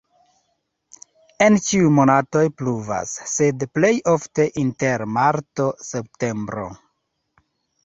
En ĉiuj monatoj pluvas, sed plej ofte inter marto-septembro.